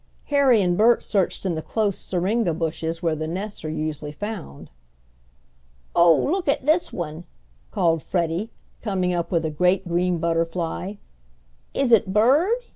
Harry and Bert searched in the close syringa bushes where the nests are usually found. "Oh! look at this one!" called Freddie, coming up with a great green butterfly. "Is it bird?"